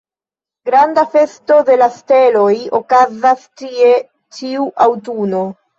Granda festo de la steloj okazas tie ĉiu aŭtuno.